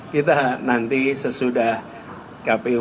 kita nanti sesudah kpu